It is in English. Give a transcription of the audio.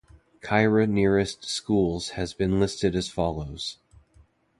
Khaira nearest schools has been listed as follows.